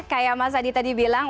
kayak mas adi tadi bilang